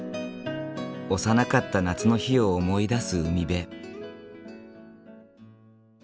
幼かった夏の日を思い出す海辺。